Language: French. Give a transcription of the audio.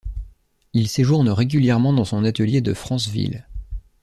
Il séjourne régulièrement dans son atelier de Franceville.